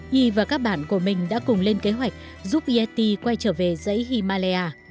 y và các bạn của mình đã cùng lên kế hoạch giúp yeti quay trở về dãy himalaya